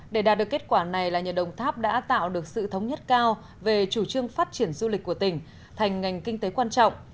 để đạt được kết quả này là nhờ đồng tháp đã tạo được sự thống nhất cao về chủ trương phát triển du lịch của tỉnh thành ngành kinh tế quan trọng